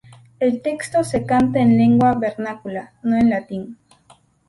El texto se canta en lengua vernácula, no en latín.